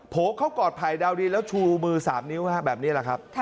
โผล่เขากอดภัยดาวดินแล้วชูมือสามนิ้วแบบนี้แหละครับ